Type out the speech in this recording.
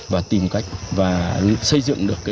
và tìm cách xây dựng được